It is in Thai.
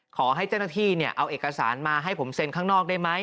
ขอให้เจ้าหน้าที่เอาเอกสารมาให้ผมเซ็นข้างนอกได้ไหม